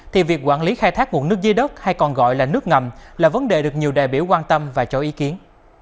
thì việc quản lý khai thác nguồn nước dưới đất hay còn gọi là nước ngầm là vấn đề được nhiều đại biểu quan tâm và cho ý kiến